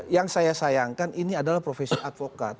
yang saya sayangkan ini adalah profesi advokat